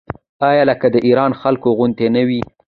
آیا لکه د ایران خلکو غوندې نه وي؟